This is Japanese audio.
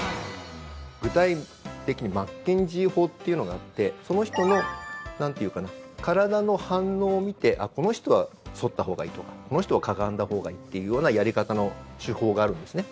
具体的にマッケンジー法というのがあってその人の体の反応を見てこの人は反ったほうがいいとかこの人はかがんだほうがいいっていうようなやり方の手法があるんですね。